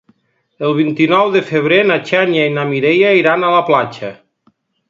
El vint-i-nou de febrer na Xènia i na Mireia iran a la platja.